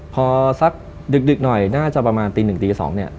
พอสักดึกหน่อยน่าจะประมาณตี๑ตี๒เนี่ย